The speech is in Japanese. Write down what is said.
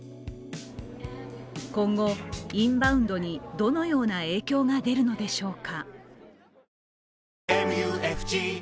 今後、インバウンドにどのような影響が出るのでしょうか。